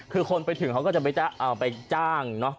คือคนไปถึงเขาก็จะไปจ้างเนอะ